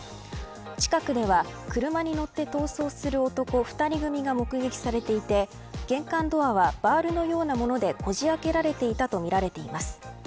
近くでは、車に乗って逃走する男２人が目撃されていて玄関ドアはバールのようなものでこじあけられていたとみられています。